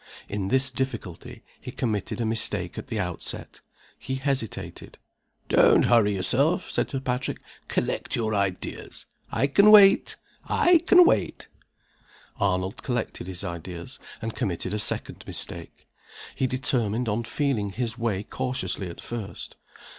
In this difficulty, he committed a mistake at the outset. He hesitated. "Don't hurry yourself," said Sir Patrick. "Collect your ideas. I can wait! I can wait!" Arnold collected his ideas and committed a second mistake. He determined on feeling his way cautiously at first.